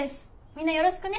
みんなよろしくね。